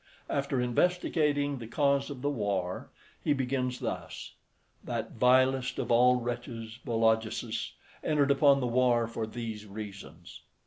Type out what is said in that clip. After investigating the cause of the war, he begins thus: "That vilest of all wretches, Vologesus, entered upon the war for these reasons."